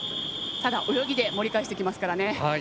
ただ、泳ぎで盛り返してきますからね。